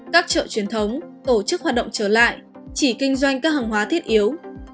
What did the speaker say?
các chợ truyền thống tổ chức hoạt động trở lại chỉ kinh doanh các hàng hóa thiết yếu